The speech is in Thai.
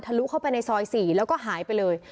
ลุเข้าไปในซอย๔แล้วก็หายไปเลย